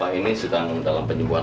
ada yang mendengar